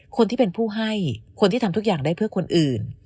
คนที่เป็นผู้ให้คนที่ทำทุกอย่างได้เพื่อคนอื่น